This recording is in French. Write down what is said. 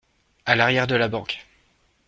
À l’arrière de la banque.